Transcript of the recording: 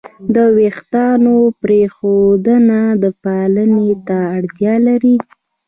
د وېښتیانو پرېښودنه پاملرنې ته اړتیا لري.